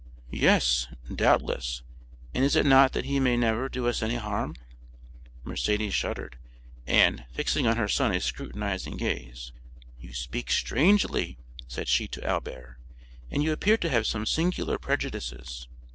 "Yes, doubtless; and is it not that he may never do us any harm?" Mercédès shuddered, and, fixing on her son a scrutinizing gaze, "You speak strangely," said she to Albert, "and you appear to have some singular prejudices.